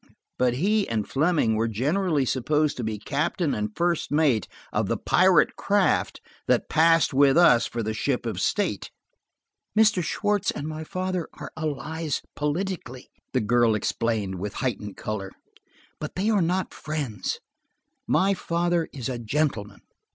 But he and Fleming were generally supposed to be captain and first mate of the pirate craft that passed with us for the ship of state. "Mr. Schwartz and my father are allies politically," the girl explained with heightened color, "but they are not friends. My father is a gentleman."